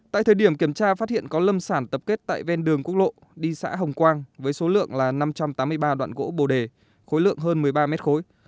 tại thời điểm kiểm tra phát hiện có lâm sản tập kết tại ven đường quốc lộ đi xã hồng quang với số lượng là năm trăm tám mươi ba đoạn gỗ bồ đề khối lượng hơn một mươi ba mét khối